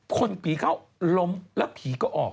คนผีเข้าล้มแล้วผีก็ออก